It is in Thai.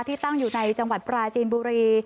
ตั้งอยู่ในจังหวัดปราจีนบุรี